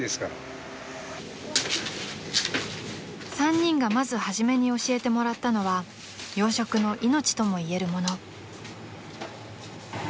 ［３人がまず初めに教えてもらったのは洋食の命ともいえるもの］